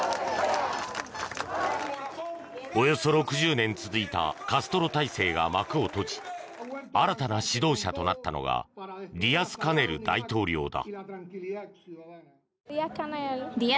およそ６０年続いたカストロ体制が幕を閉じ新たな指導者となったのがディアスカネル大統領だ。